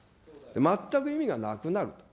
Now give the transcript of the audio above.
全く意味がなくなる。